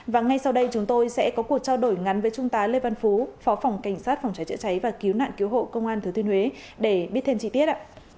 và ngay sau đây chúng tôi sẽ có cuộc trao đổi ngắn với trung tá lê văn phú phó phòng cảnh sát phòng cháy chữa cháy và cứu nạn cứu hộ công an thứ tuyên huế để biết thêm chi tiết ạ